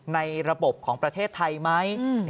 ในระบบของประเทศไทยไหม